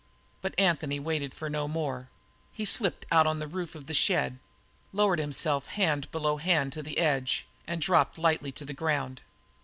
But Anthony waited for no more. He slipped out on the roof of the shed, lowered himself hand below hand to the edge, and dropped lightly to the ground.